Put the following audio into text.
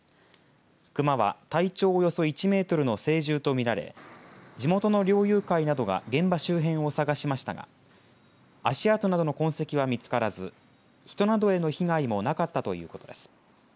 熊は体長およそ１メートルの成獣と見られ地元の猟友会などが現場周辺を探しましたが足跡などの痕跡は見つからず人などへの被害もなかったということです。